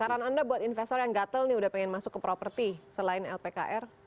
saran anda buat investor yang gatel nih udah pengen masuk ke properti selain lpkr